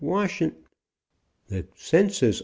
WASHN.. THE CENSUS.